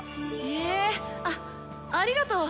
ええっあっありがとう。